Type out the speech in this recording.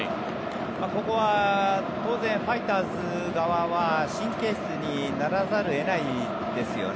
ここは当然、ファイターズ側は神経質にならざるを得ないですよね。